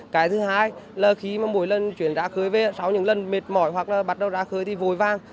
cái thứ hai là khi mà mỗi lần chuyển ra khới về sau những lần mệt mỏi hoặc là bắt đầu ra khới thì vội vang